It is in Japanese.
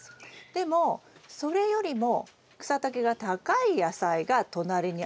でもそれよりも草丈が高い野菜が隣にあるとすると？